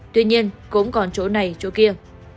tuy nhiên cũng còn chỗ này chỗ kia